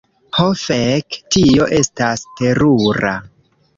Ho fek. Tio estas terura.